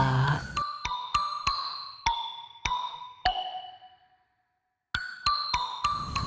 mbak minah mau minta tolong sama emak